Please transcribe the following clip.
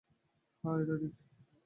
হ্যাঁ, এটা ঠিক।